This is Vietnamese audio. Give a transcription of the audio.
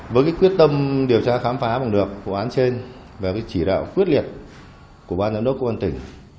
với cái quyết tâm điều tra khám phá bằng được vụ án trên và chỉ đạo quyết liệt của ban giám đốc công an tỉnh